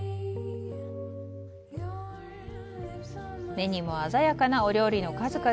目にも鮮やかなお料理の数々。